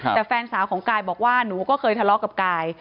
แต่แฟนสาวของกายบอกว่าหนูก็เคยทะเลาะกับกาย